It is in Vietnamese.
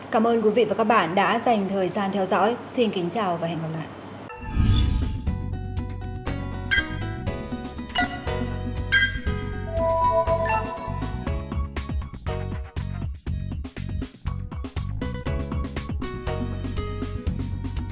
cảm ơn quý vị và các bạn đã dành thời gian theo dõi xin kính chào và hẹn gặp lại